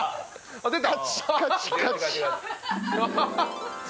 あっ出た！